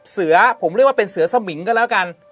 เสือผมเรียกว่าเป็นเสือสมิงก็แล้วกัน